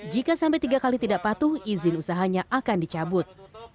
jika sampai tiga kali tidak patuh izin usahanya akan dicabut